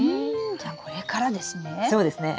じゃあこれからですね？